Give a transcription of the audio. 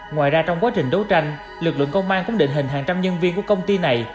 ngoài ra trong quá trình đấu tranh lực lượng công an cũng định hình hàng trăm nhân viên của công ty này